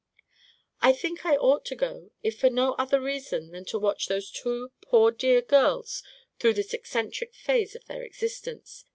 "I think I ought to go, if for no other reason than to watch those two poor dear girls through this eccentric phase of their existence.